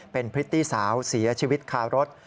เป็นพริตตี้สาวเสียชีวิตคารถ